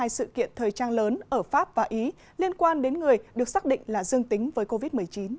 hai sự kiện thời trang lớn ở pháp và ý liên quan đến người được xác định là dương tính với covid một mươi chín